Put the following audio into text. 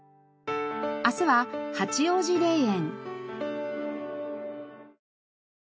明日は八王子霊園。